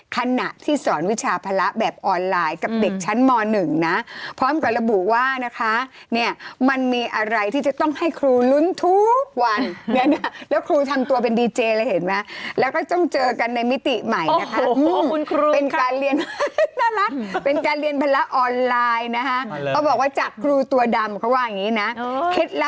ขณะที่สอนวิชาภาระแบบออนไลน์กับเด็กชั้นม๑นะพร้อมกับระบุว่านะคะเนี่ยมันมีอะไรที่จะต้องให้ครูลุ้นทุกวันแล้วครูทำตัวเป็นดีเจเลยเห็นไหมแล้วก็ต้องเจอกันในมิติใหม่นะคะเป็นการเรียนภาระออนไลน์นะคะเขาบอกว่าจากครูตัวดำเขาว่าอย่างนี้นะ